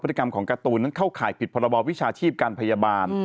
กรรมของการ์ตูนนั้นเข้าข่ายผิดพรบวิชาชีพการพยาบาล